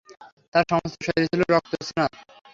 তার সমস্ত শরীর ছিল রক্তস্নাত।